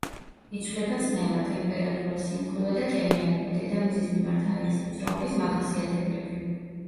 იცვლება წნევა, ტემპერატურა, სიმკვრივე და ტენიანობა, დედამიწის მიმართ ჰაერის მოძრაობის მახასიათებლები.